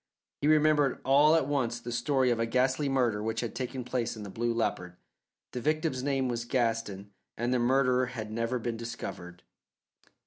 He remembered all at once the story of a ghastly murder which had taken place in the Blue Leopard. The victim's name was Gaston and the murderer had never been discovered.